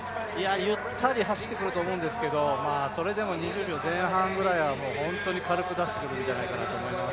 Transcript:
ゆったり走ってくると思うんですけどそれでも２０秒前半ぐらいは本当に軽く出してくるんじゃないかなと思います。